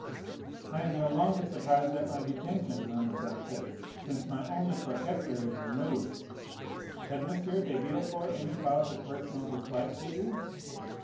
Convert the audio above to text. "I am no longer surprised at my detention," murmured Dantès, "since my only protector is removed." "Had M. de Villefort any cause of personal dislike to you?"